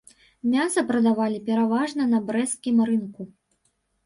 Мяса прадавалі пераважна на брэсцкім рынку.